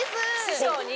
師匠に？